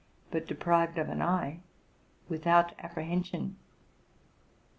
133 but deprived of an eye, without apprehension.